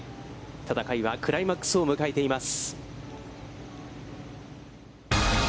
戦いはクライマックスを迎えています。